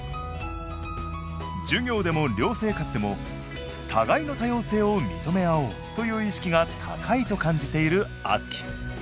授業でも寮生活でも「互いの多様性を認め合おう」という意識が高いと感じているあつき。